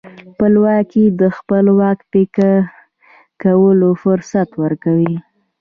خپلواکي د خپلواک فکر کولو فرصت ورکوي.